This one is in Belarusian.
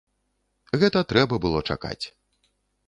Гэта трэба было чакаць.